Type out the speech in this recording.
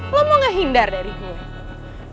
lo mau gak hindar dari gue